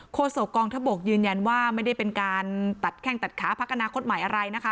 โศกองทัพบกยืนยันว่าไม่ได้เป็นการตัดแข้งตัดขาพักอนาคตใหม่อะไรนะคะ